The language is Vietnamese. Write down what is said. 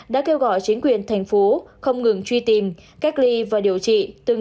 đã kêu gọi chính quyền thành phố không ngừng truy tìm cách ly và điều trị